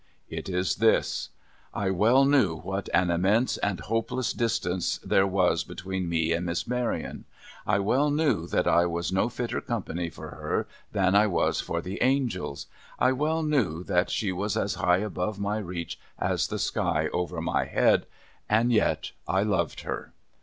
It is this. I well knew what an immense and hopeless distance there was between me and Miss Maryon ; I well knew that I was no fitter company for her than I was for the angels ; I well knew that she was as high above my reach as the sky over my head ; and yet I loved her.